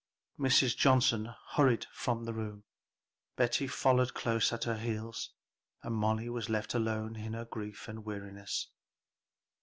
Mrs. Johnson hurried from the room, Betty following close at her heels, and Molly was left alone in her grief and weariness.